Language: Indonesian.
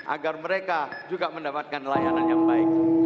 agar mereka juga mendapatkan layanan yang baik